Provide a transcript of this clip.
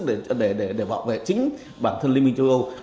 để bảo vệ chính bản thân liên minh châu âu